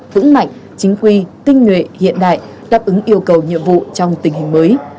vững mạnh chính quy tinh nguyện hiện đại đáp ứng yêu cầu nhiệm vụ trong tình hình mới